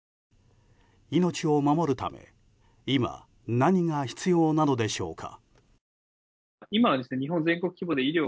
命を守るため今、何が必要なのでしょうか。